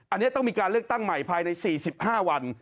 อันนี้ต้องมีการเลือกตั้งใหม่ภายใน๔๕วัน